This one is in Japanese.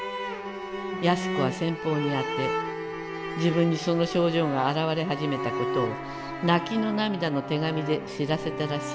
矢須子は先方に宛て自分にその症状が現れはじめたことを泣きの涙の手紙で知らせたらしい。